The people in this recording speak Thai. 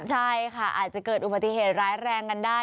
ใช่ค่ะอาจจะเกิดอุบัติเหตุร้ายแรงกันได้